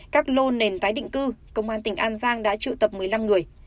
các lô nền tái định cư công an tỉnh an giang đã triệu tập một mươi năm người